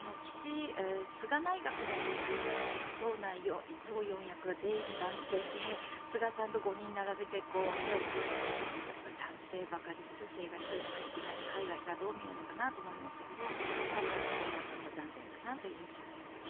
菅内閣の時に党四役が全員男性で菅さんと５人並べて手をつないでいる時男性ばかりで女性が１人も入っていないって海外からどう見えるのかなと思いましたが今回もそうなったのが残念だなという印象です。